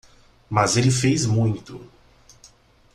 Mas ele fez muito.